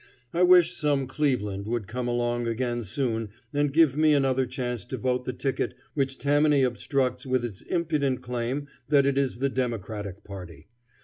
I wish some Cleveland would come along again soon and give me another chance to vote the ticket which Tammany obstructs with its impudent claim that it is the Democratic party.